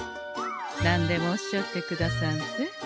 何でもおっしゃってくださんせ。